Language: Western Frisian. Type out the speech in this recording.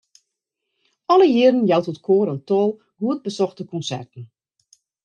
Alle jierren jout it koar in tal goed besochte konserten.